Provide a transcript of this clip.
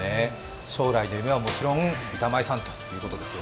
将来の夢はもちろん板前さんということです。